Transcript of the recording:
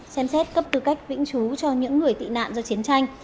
xem xét cấp tư cách vĩnh chú cho những người tị nạn do chiến tranh